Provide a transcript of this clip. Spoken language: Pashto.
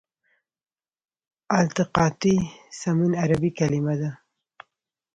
التقاطي سمون عربي کلمه ده.